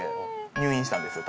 入院したんですよ